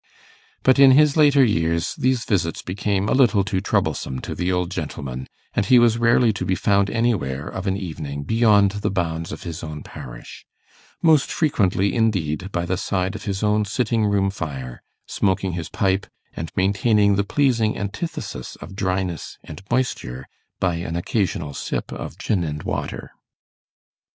But in his later years these visits became a little too troublesome to the old gentleman, and he was rarely to be found anywhere of an evening beyond the bounds of his own parish most frequently, indeed, by the side of his own sitting room fire, smoking his pipe, and maintaining the pleasing antithesis of dryness and moisture by an occasional sip of gin and water.